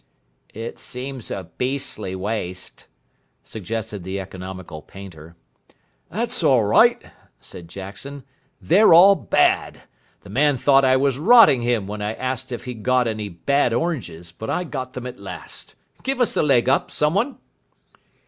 "It seems a beastly waste," suggested the economical Painter. "That's all right," said Jackson, "they're all bad. The man thought I was rotting him when I asked if he'd got any bad oranges, but I got them at last. Give us a leg up, some one."